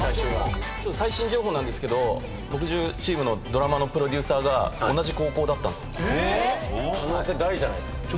最新情報なんですけど木１０チームのドラマのプロデューサーが同じ高校だったんですよ。